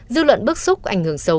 dư luận bức xúc ảnh hưởng xấu